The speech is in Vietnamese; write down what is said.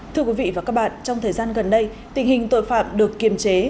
thưa quý vị và các bạn trong thời gian gần đây tình hình tội phạm được kiềm chế